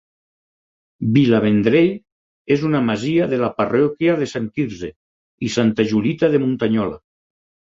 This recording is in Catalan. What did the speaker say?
Vilavendrell és una masia de la parròquia de Sant Quirze i Santa Julita de Muntanyola.